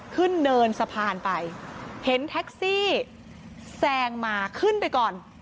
เนินสะพานไปเห็นแท็กซี่แซงมาขึ้นไปก่อน